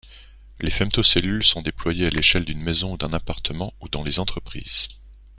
Les femtocellules sont déployées à l'échelle d'une maison d'un appartement ou dans les entreprises.